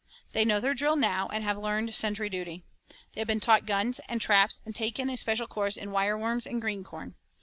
They know their drill now and have learned sentry duty. They have been taught guns and traps and taken a special course in wireworms and green corn.